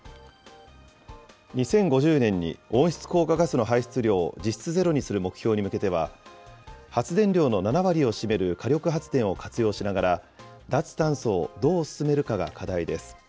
２０５０年に温室効果ガスの排出量を実質ゼロにする目標に向けては、発電量の７割を占める火力発電を活用しながら、脱炭素をどう進めるかが課題です。